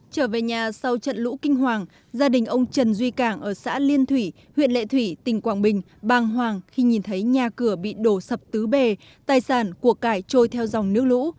trở về nhà sau trận lũ kinh hoàng gia đình ông trần duy cảng ở xã liên thủy huyện lệ thủy tỉnh quảng bình bàng hoàng khi nhìn thấy nhà cửa bị đổ sập tứ bề tài sản cuộc cải trôi theo dòng nước lũ